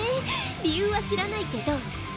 理由は知らないけど。